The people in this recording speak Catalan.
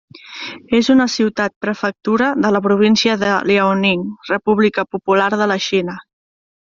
És una ciutat-prefectura de la província de Liaoning, República Popular de la Xina.